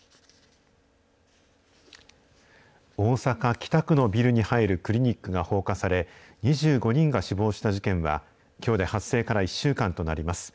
大阪・北区のビルに入るクリニックが放火され、２５人が死亡した事件は、きょうで発生から１週間となります。